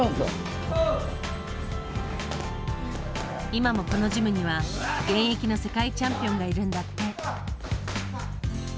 今もこのジムには現役の世界チャンピオンがいるんだって。